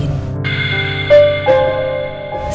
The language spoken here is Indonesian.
pertanyaan yang terakhir